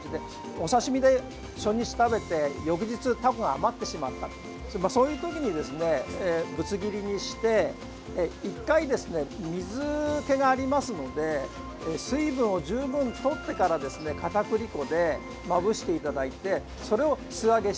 お刺身で初日食べて翌日タコが余ってしまったそういう時にぶつ切りにして１回、水気がありますので水分を充分取ってから片栗粉でまぶしていただいてそれを素揚げしていただく。